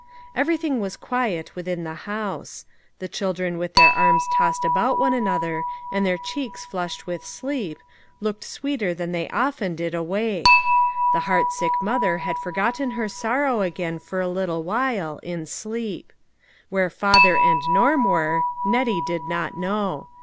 Everything was quiet within the house. The children with their arms tossed about one an other, and their cheeks flushed with sleep, looked sweeter than they often did awake. The heart sick mother had forgotten her sorrow again for a little while, in sleep. Where father and Nona were, Nettie did not know.